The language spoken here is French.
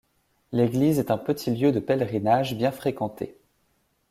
L'église est un petit lieu de pèlerinage bien fréquenté.